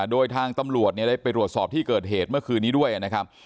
โดยทางตำรวจได้ไปตรวจสอบที่เกิดเหตุเมื่อคืนนี้ด้วยนะครับ